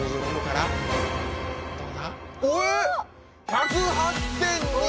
１０８．２！